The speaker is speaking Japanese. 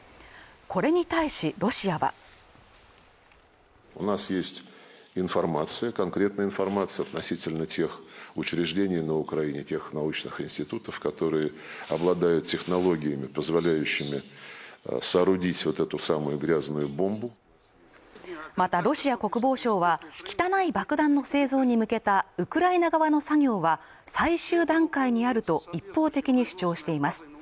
これに対しロシアはまたロシア国防省は汚い爆弾の製造に向けたウクライナ側の作業は最終段階にあると一方的に主張しています